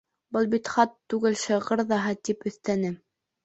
—Был бит хат түгел, шиғыр ҙаһа, —тип өҫтәне.